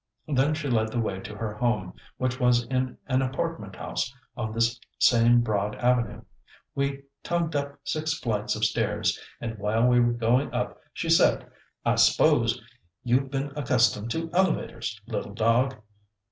Then she led the way to her home, which was in an apartment house on this same broad avenue. We tugged up six flights of stairs, and while we were going up she said, "I s'pose you've been accustomed to elevators, little dog.